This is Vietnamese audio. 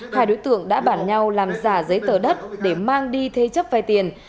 hai đối tượng đã bản nhau làm giả giấy tờ đất để mang đi thế chấp vay tiền